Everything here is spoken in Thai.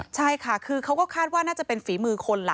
ใช่ค่ะคือเขาก็คาดว่าน่าจะเป็นฝีมือคนล่ะ